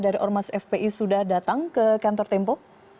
dari ormas fpi sudah datang ke kantor tempo